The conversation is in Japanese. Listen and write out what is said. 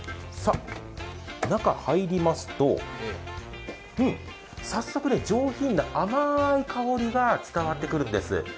中、入りますと、早速、上品な甘い香りが伝わってくるんです。